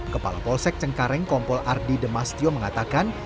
kepala polsek cengkareng kompol ardi demastio mengatakan